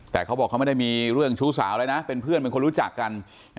แต่เขาบอกเขาไม่ได้มีเรื่องชู้สาวอะไรนะเป็นเพื่อนเป็นคนรู้จักกัน